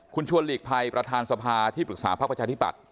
คุณชวนหลีกภัยประธานสภาที่ปรึกษาพักประชาธิบัติ